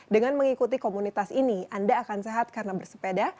dengan mengikuti komunitas ini anda akan sehat karena bersepeda